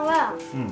うん？